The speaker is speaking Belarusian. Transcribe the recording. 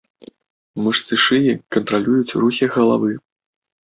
Мышцы шыі кантралююць рухі галавы.